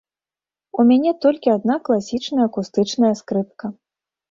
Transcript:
У мяне толькі адна класічная акустычная скрыпка.